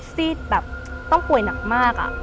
ซีดแบบต้องป่วยหนักมาก